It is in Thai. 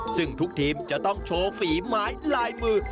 ซึ่งทุกทีมจะต้องโชว์ฝีไม้ลายมือ